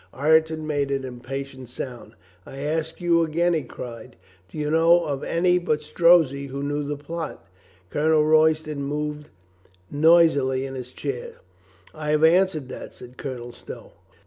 Ireton made an impatient sound. "I ask you again," he cried. "Do you know of any but Strozzi who knew the plot?" Colonel Royston moved nois ily In his chair. "I have answered that," said Colonel Stow.